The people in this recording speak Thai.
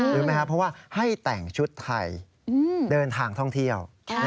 รู้ไหมครับเพราะว่าให้แต่งชุดไทยเดินทางท่องเที่ยว